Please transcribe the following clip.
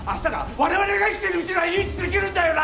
我々が生きてるうちには融資できるんだよな！？